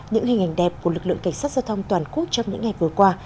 những hình ảnh đẹp của lực lượng cảnh sát giao thông toàn quốc trong những ngày vừa qua